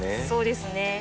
そうですね。